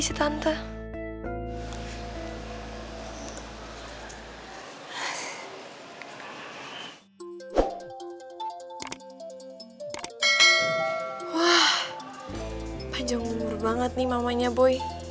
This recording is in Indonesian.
siapa tau tuh ayo